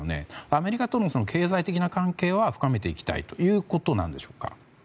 アメリカとの経済的な関係は深めていきたいということですか。